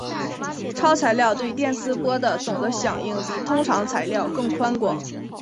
超材料对电磁波的总的响应比通常材料更宽广。